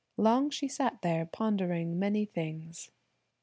Long she sat there pondering many things.